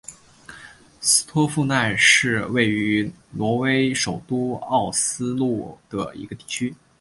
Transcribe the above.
斯托夫奈是位于挪威首都奥斯陆的一个地区。